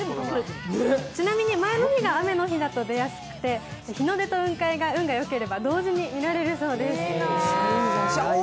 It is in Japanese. ちなみに前の日が雨の日だと出やすくて日の出と雲海が、運が良ければ同時に見られるそうです。